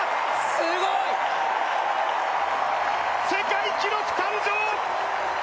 すごい！世界記録誕生！